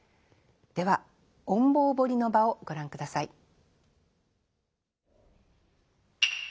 では「隠亡堀の場」をご覧ください。